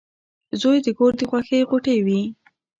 • زوی د کور د خوښۍ غوټۍ وي.